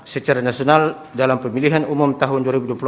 secara nasional dalam pemilihan umum tahun dua ribu dua puluh empat